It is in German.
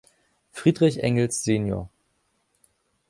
Friedrich Engels Sen.